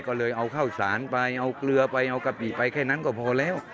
ก็เลยเอาข้าวสารไปเอาเกลือไปเอากะปิไปแค่นั้นก็พอแล้ว